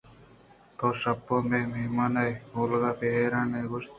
تو شپ ءَ مئے مہمانے ئے؟ اولگاءَ پہ حیرانی گوٛشت